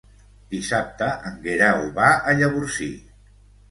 Dissabte en Guerau va a Llavorsí.